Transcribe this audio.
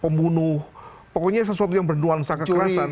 pembunuh pokoknya sesuatu yang berduaan sangat kerasan